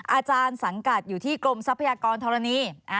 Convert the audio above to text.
อาจารย์สังกัดอยู่ที่กรมทรัพยากรธรณี